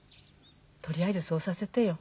とりあえずそうさせてよ。